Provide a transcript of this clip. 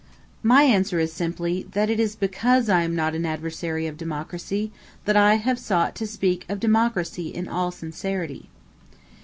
My answer is simply, that it is because I am not an adversary of democracy, that I have sought to speak of democracy in all sincerity.